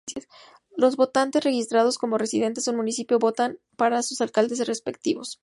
Los votantes registrados como residentes de un municipio votan para sus alcaldes respectivos.